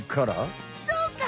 そうか！